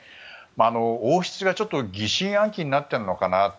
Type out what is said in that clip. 王室が疑心暗鬼になっているのかなと。